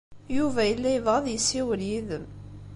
Yuba yella yebɣa ad yessiwel yid-m.